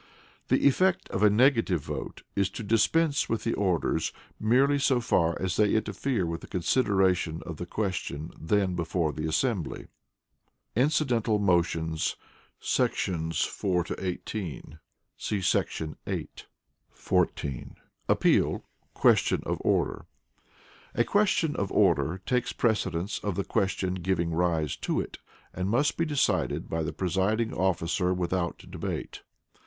The Effect of a negative vote is to dispense with the orders merely so far as they interfere with the consideration of the question then before the assembly. Incidental Motions. [§§ 14 18; see § 8] 14. Appeal [Questions of Order]. A Question of Order takes precedence of the question giving rise to it, and must be decided by the presiding officer without debate.